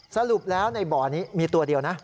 สรุปแล้วในบ่อนี้มีตัวเดียวนะ